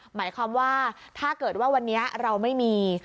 หมายความว่าถ้าเกิดว่าวันนี้เราไม่มี